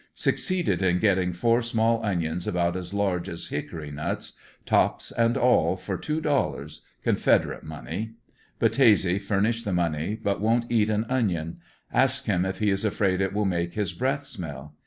Succeeded in getting four small onions about as large as hickory nuts, tops and all for two dollars Confederate money. 88 ANDERSONVILLE DIARY. Battese furnished the money but won't eat an onion; ask him if he is afraid it will make his breath smell